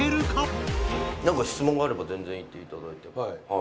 なんか質問があれば全然言っていただいて。